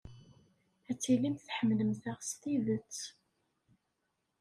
Ad tilimt tḥemmlemt-aɣ s tidet.